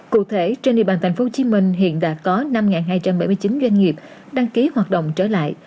cụ thể trên địa bàn tp hcm hiện đã có năm hai trăm bảy mươi chín doanh nghiệp đăng ký hoạt động trở lại